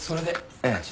ええ。